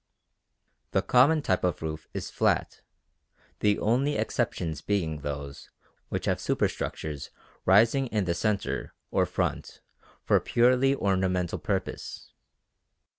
The common type of roof is flat, the only exceptions being those which have superstructures rising in the centre or front for purely ornamental purpose.